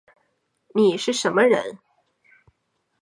你是什么人